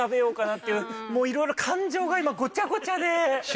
もういろいろ感情が今ごちゃごちゃで。